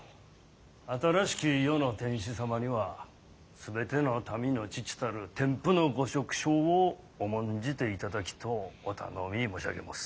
新しき世の天子様には全ての民の父たる天賦の御職掌を重んじていただきとうお頼みもしゃげもす。